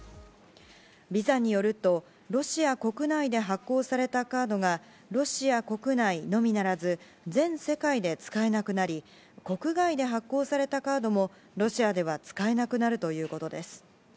ビザによるとロシア国内で発行されたカードがロシア国内のみならず全世界で使えなくなり国外で発行されたカードもロシアでは使えなくなるということです。